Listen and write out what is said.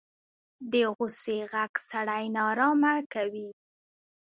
د غوسې غږ سړی نارامه کوي